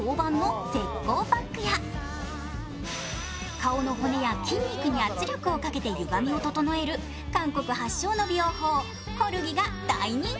顔の骨や筋肉に圧力をかけてゆがみを整える韓国発祥の美容法コルギが大人気。